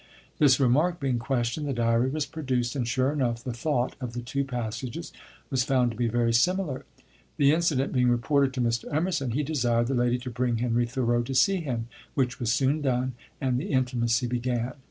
This remark being questioned, the diary was produced, and, sure enough, the thought of the two passages was found to be very similar. The incident being reported to Mr. Emerson, he desired the lady to bring Henry Thoreau to see him, which was soon done, and the intimacy began.